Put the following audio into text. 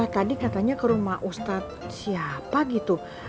tadi katanya ke rumah ustadz siapa gitu